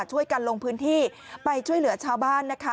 ช่วยกันลงพื้นที่ไปช่วยเหลือชาวบ้านนะคะ